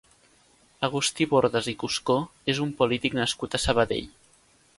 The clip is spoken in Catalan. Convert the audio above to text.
Agustí Bordas i Cuscó és un polític nascut a Sabadell.